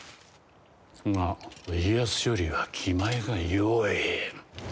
が家康よりは気前がよい。